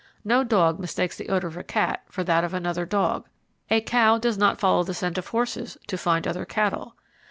No dog mistakes the odour of a cat for that of another dog. A cow does not follow the scent of horses to find other cattle.